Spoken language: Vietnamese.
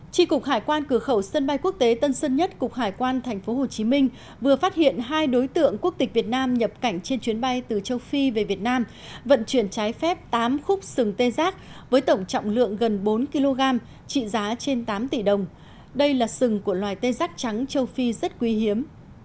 tri cục hải quan cửa khẩu sân bay quốc tế tân sơn nhất cục hải quan tp hcm vừa phát hiện hai đối tượng quốc tịch việt nam nhập cảnh trên chuyến bay từ châu phi về việt nam vận chuyển trái phép tám khúc sừng tê giác với tổng trọng lượng gần bốn kg trị giá trên tám tỷ đồng đây là sừng của loài tê giác trắng châu phi rất quý hiếm